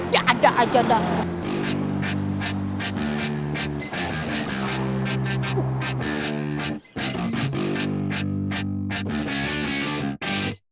ya ada aja dah